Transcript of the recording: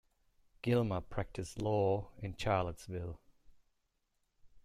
Gilmer practiced law in Charlottesville.